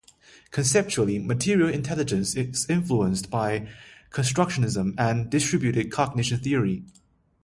Conceptually, material intelligence is influenced by constructionism and distributed cognition theory.